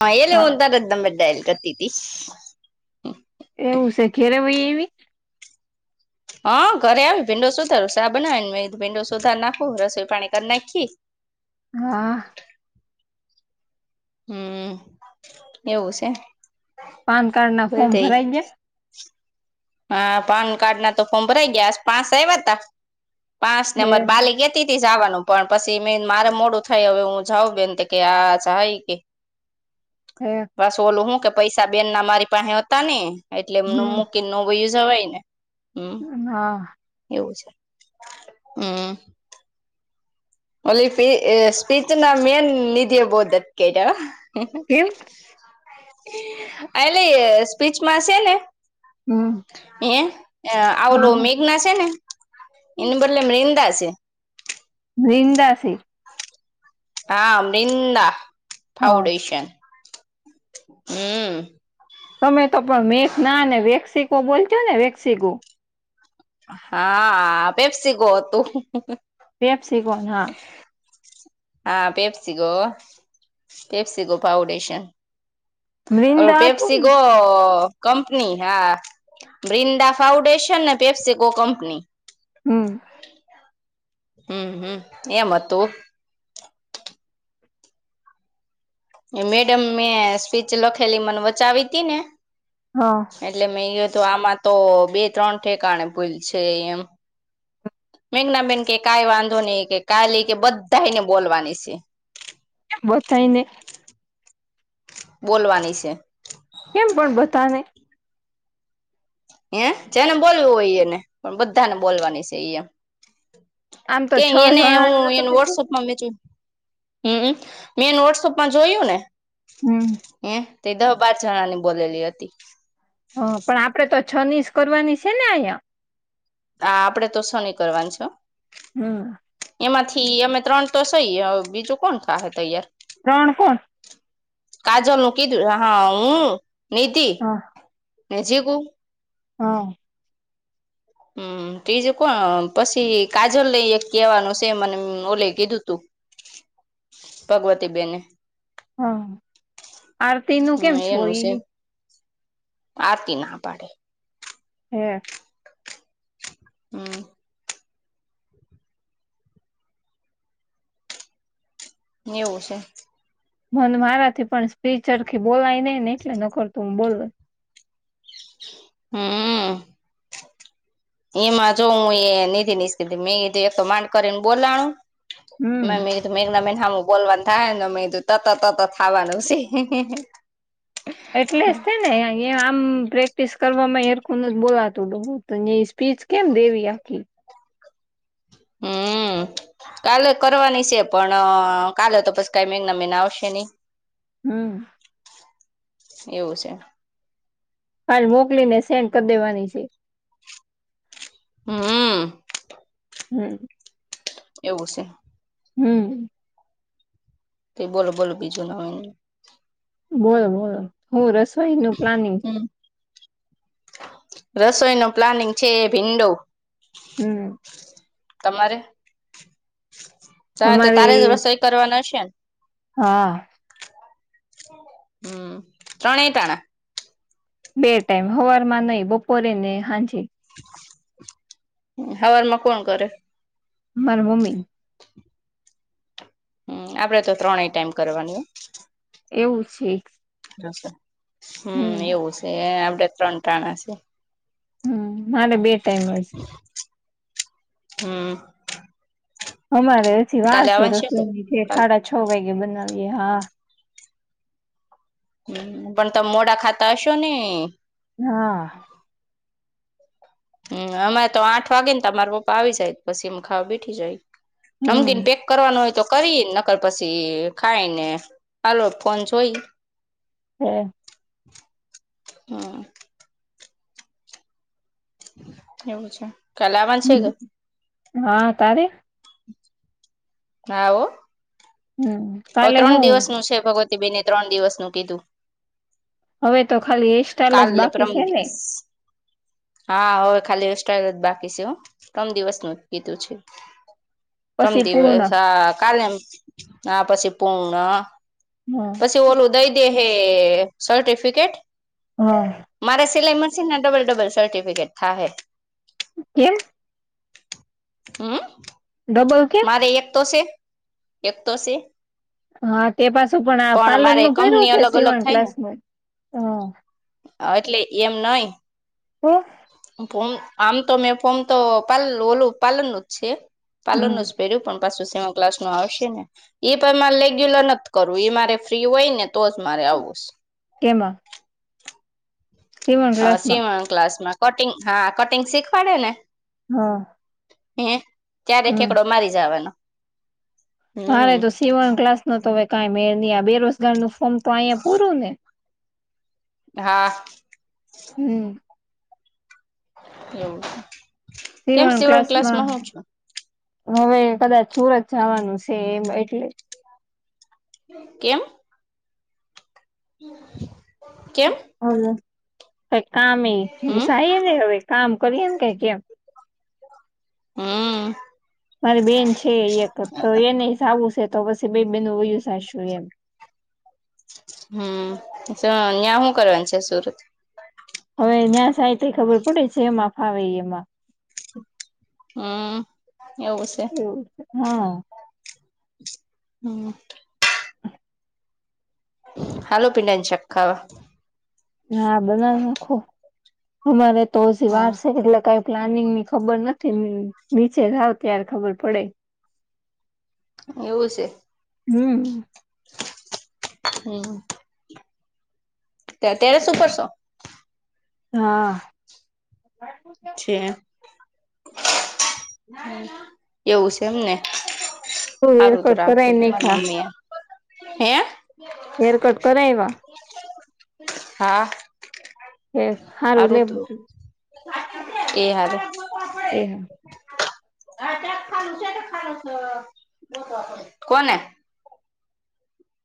હા એલ્ હ તાર દમબ દ એલ કતીતી. એવું છે ખેરે ભાઈ એવી. હા ઘરે આવે ભીંડો સુધારો સાા બનાવે ભીંડો સુધાર નાખો રસોઈ પાણી કરી નાખી. હા. હમ એવું છે. પાન કાર્ડ ના બોલ ફોર્મ તઈ ભરાય ગયા? હા પાન કાર્ડ ના તો ફોર્મ ભરાઈ ગયા પાંસ આવ્યા હતા પાંચ નંબર ઠેક બાલીક તી થી જવાનું પણ પછી મે મારે મોડું થય હવે હું જાઉં બેન કે આય કે હે બસ ઓલું હું કે પૈસા બેન ના મારી પાસે હતા ને એટલે એમ હમ મૂકી વ બોયો જાવાય એને હ હ. એવું છે હમ ઓલી સ્ી સ્પીચ ના મેેન નધ્યા બહદત કટ એવમ એલી સ્પીચમાં છે ને હમ એ આવલો હા હા. મેઘના છે ને એને બદલે મિંદા છે. વિંદા છે હા મૃિંદા હા ફાઉન્ડેશન હમ તમે તો પણ મેઘના અને વેક્સિકો બોલજો ને વેક્સિકો હા પેપસી ગો હતું વેફ છે ગો હા હા પેપસગો પેપસગો ફઉડેશન વૃંદા હતું રૂપેપસી ને ગો કંપની હા બ્રિંદા ફાઉન્ડેશન ને પેપ્સેકો કંપની હમ. હમ હમ એમ હતું મેડમ મેં સ્પીચ લખેલી મને વચાવી તી ને હા એટલે મેં હત આમાં તો બે ત્રણ ઠેકાણે ભૂલ છે એમ મેઘના બેન કે કઈ વાંધો નહી કે કા લઈ કે બધા ને બોલવાની છે ગોતાઈ નને બોલવાની છે. કેમ પણ બતાને હ જેને બોલવું હોય એ એને પણ બધા ને બોલવાની છે એ એમ આમ તો કે છ એને જણા હું એ નતું કીધું વોટ્સઅપમાં મેચુ હમ મેં વોટ્સઅપમાં જોયું ને હમ હ તે દહ બાર જણા ની બોલેલી હતી હ પણ આપડે તો છ નીસ કરવાની છે ને અહિયાં આ આપડે તો શું નહ કરવાનું છે હમ એમાંથી અમે ત્રણ તો સઈ બીજું કોણ થા તૈયાર ત્રણ કોણ કાજલ નું કીધું હા હું નીતિ હા ને જે ક હા હમ બીજું કોણ પછી કાજલ લઈ કેવાનું છે મને ઓલે કીધું તું ભગવતીબેને હા આરતી નું કેમ હમ એનું છોય છે આરતી ના પાડે હે હમ [unintelligible] એવું છે. મન મારા થી પણ સ્પીચરથી બોલાય નઈ ને એટલે નોકરતું હું બોલ હમ એમાં જો હું એધિ સ્ક મેંધું એક માંડ કરીને બોલાનું હમ મે [unintelligible] મેંઘના બેન હામુ બોલવાનું થાયને મેધું તત તતત ખાવાનું છે. એટલે જ થ ને આમ પ્રેક્ટિસ કરવામાં હેરખુ નથ બોલાતું હું તો ન્યા ઈ- સ્પીચ કેમ દેવી આખી- હમ [inaudible] કાલે કરવાની છે પણ કાલે તો પછ કઈ મેઘના મેિના આવશે નહી- હમ- એવું છે- ફાઇલ મોકલી ને સેન્ડ કરી દેવાની છે. હમ હમ એવું છે. હમ તે બોલો બોલો બીજું નવીનમાં બોલો બોલો હું રસોઈનું પ્લાનિંગ હમ રસોઈ નુ પ્લાનિંગ છે એ ભીંડો હમ તમારે તારે તો અમારે તારે જ રસોઈ કરવાના હશે ને હા હમ ત્રણેય ટાણા બે ટાઈમ હવારમાં નહી બપોરે ને હાજે. હવારમાં કોણ કરે? મારા મમ્મી. હમ આપડે તો ત્રણેય ટાઈમ કરવાની હો. એવું છે. હમ એવું છે, આપડે ત્રણ ટાણા છે. હમ મારે બે ટાઈમ જ હમ અમારે હજી વાર કાલે છે આવવાનું કે? રસોની જે સાડા છ વાગે બનાવીએ હા હ પણ તમે મોડા ખાતા હશો ને? હા હમ અમારે તો આઠ વાગે ને તમારા પપ્પા આવી જાય પછીમ ખાવા બેઠી જાય. નમકીન હમ પેક કરવાનું હોય તો કરી નકર પછી ખાઈને હાલો ફોન જોઈ હમ હા એવું છે, કાલે આવવાનું છે કે? હમ. હા તારે? હા હો હમ હ કાલે ત્રણ હું દિવસનું છે, ભગવતી બેને ત્રણ દિવસનું કીધું. હવે તો ખાલી હેર સ્ટાઈઇલ જ કાલે બાકી પરમ છે ને દિવસ હા હવે ખાલી હેર સ્ટાઈલ જ બાકી છે હું ત્રણ દિવસ નુ કીધું છે. [inaudible] પરમ પૂર્ણ દિવસ હા કાલેમ હ પછી પૂંરા હા પછી ઓલું દઈ દે હે સર્ટિફિકેટ હા મારા સિલાઈ મશીન ના ડબલ ડબલ સર્ટિફિકેટ થા હે. કેમ હમ ડબલ કેમ મારે એક તો છે, એક તો છે. હા તે પાછું પણ આ પાર્લર મારે નુ ભયરુ કંપની કે અલગ અલગ સીવણ થાય ક્લાસમાં હ હ એટલે એમ નહીં તો? ફોમ આમ તો મેં ફોમ તો પાલ ઓલું પાર્લર નું જ છે પાર્લર હમ નું જ ભર્યો પણ પાછું સીવણ ક્લાસ નું આવશે ને એ પણ મારે રેગ્યુલર નથી કરવું એ મારે ફ્રી હોય ને તોજ મારે આવું છે. કેમાં? સીવણ હ ક્લાસમાં સીવાણ ક્લાસ માં કટિંગ હા કટિંગ શીખવાડે ને. હા. હૈ ત્યારે હમ. ઠેકડો મારી જવાનો. મારે હમ તો સીવણ ક્લાસ નો તો હવે કઈ મેળ નહી આ બેરોજગાર નું ફોર્મ તો અહીંયા પૂરું ને. હા. હમ્મ. એવું છે. સીવન ક્લાસ ના હવે કદાચ સુરત જવાનું છે એમ એટલે. કેમ? કે હલો કાઈ કામે હમ રીસાય ને હવે કામ કરીએ કઈક એમ. હમ્મ. મારી બેન છે એકત તો એ નહી સવું છે તો પછી બે બેન વયું સાસુ એમ. હમ્મ, સો ન્યાં હું કરવાનું છે સુરત? હવે ન્યાં સાહિત ખબર પડે છે એ મા ફાવે એમાં. હમ્મ, એવું છે. એવું છે હા હમ્મ. હાલો પિંડાની શાક ખાવા. હા બનાવી નાખો મારે તો હજી વાર હા છે એટલે કાઈ પ્લાનિંગ ની ખબર નથી નીચે જાવ ત્યારે ખબર પડે. એવું છે. હમ્મ. હમ્મ. તે અત્યારે શું કરસો? હા. [inaudible] છે. હમ્મ, એવું છે એમને. તો સારું રેકોર્ડ કરાય રાખવું છે નહી મારી ખા. મમ્મી એ હે હેર કટ કરાએવા. હા‌. કે સારું લે હારું તું એ હારું. એ કોને?